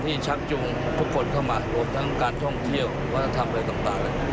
ชักจูงทุกคนเข้ามารวมทั้งการท่องเที่ยววัฒนธรรมอะไรต่าง